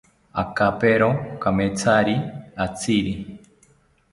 Akapero kamethari atziri